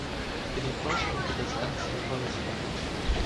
Für den Forscher hatte das ernste Folgen.